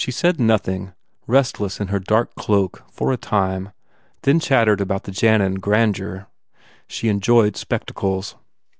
She said nothing, restless in her dark cloak for a time then chattered about the Jannan grandeur. She enjoyed spectacles.